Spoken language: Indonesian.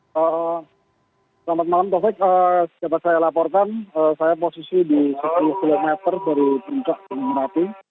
selamat malam taufik sejak saya melaporkan saya posisi di sepuluh km dari pencet di merapi